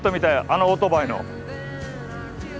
あのオートバイの。